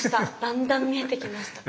だんだん見えてきました。